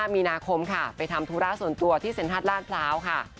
๕มีนาคมไปทำธุราส่วนตัวที่เซ็นทรัสลาดพร้าว